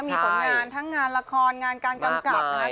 มีผลงานทั้งละครงานการกำกับ